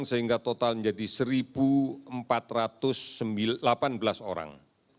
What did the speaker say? sehingga total menjadi satu empat ratus delapan belas orang